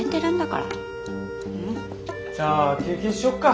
じゃあ休憩しよっか。